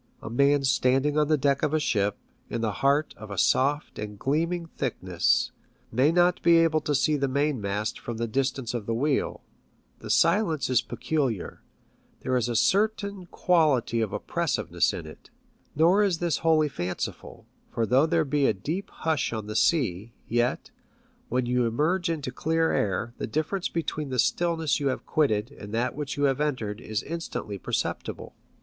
A man standing on the deck of a ship, in the heart of a soft and gleaming thickness, may not be able to see the mainmast from the distance of the wheel The silence is peculiar, there is a certain quality of oppressiveness in it; nor is this wholly fanciful, for though there be a deep hush on the sea, yet, when you emerge into clear air, the difference between the stillness you have quitted and that which you have entered is instantly perceptible.